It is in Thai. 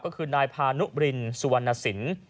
ก็คือนายพานุบรินสุวรรณสิน